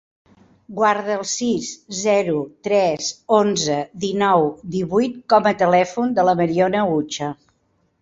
Guarda el sis, zero, tres, onze, dinou, divuit com a telèfon de la Mariona Ucha.